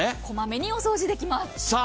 こまめにお掃除できます。